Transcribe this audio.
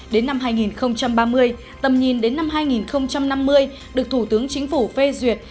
đến năm hai nghìn ba mươi tầm nhìn đến năm hai nghìn năm mươi được thủ tướng chính phủ phê duyệt